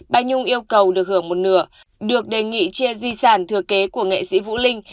bà nhung yêu cầu được hưởng một nửa được đề nghị chia di sản thừa kế của nghệ sĩ vũ linh